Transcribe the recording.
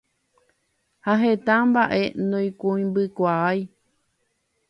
ha heta mba'e noikũmbykuaái.